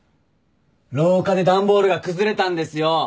廊下で段ボールが崩れたんですよ。